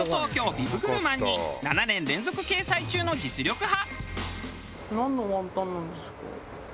ビブグルマンに７年連続掲載中の実力派。